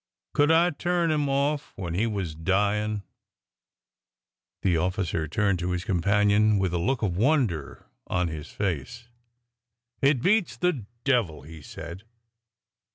'' Could I turn 'im off when he was dyin' ?" The officer turned to his companion with a look of wonder on his face. It beats the— devil!" he said.